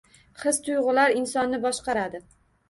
His-tuyg`ular insonni boshqaradi